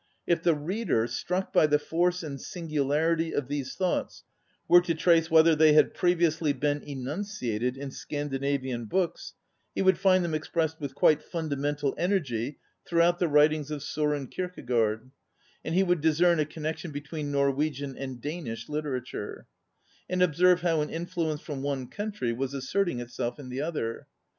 If the reader, struck by the force and singularity of these thoughts, were to trace whether they had previously been enunciated in Scandinavian books, he would find them expressed with quite fundamental energy through out the writings of S├Čren Kierke gaard, and he would discern a connection between Norwegian and Danish literature, and observe how an influence from one country was asserting itself in the other.